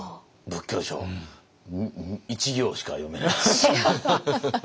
仏教書１行しか読めないです。